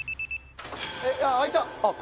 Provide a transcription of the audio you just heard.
開いた！